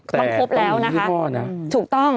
ครบแล้วนะคะถูกต้อง